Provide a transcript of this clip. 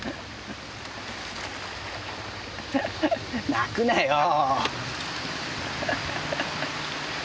泣くなよー。